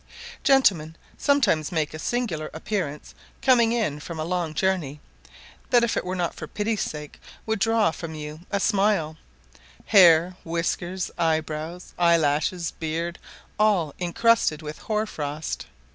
Gentlemen sometimes make a singular appearance coming in from a long journey, that if it were not for pity's sake would draw from you a smile; hair, whiskers, eyebrows, eyelashes, beard, all incrusted with hoar frost.